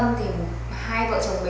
ngoài thường xuyên thức khuya